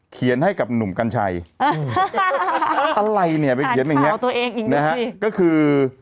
เขียนให้กับหนุ่มกัญชัยอะไรเนี้ยไปเขียนแบบเนี้ยก็คือ